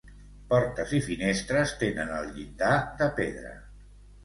Portes i finestres tenen el llindar de pedra.